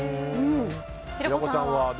平子さんは？